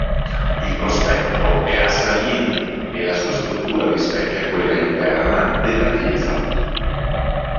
Il prospetto è a salienti e la sua struttura rispecchia quella interna della chiesa.